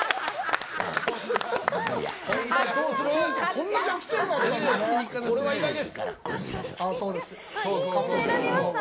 こんな弱点があったんだ。